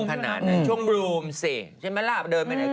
ไว้นะพวกเค้าจะฮาว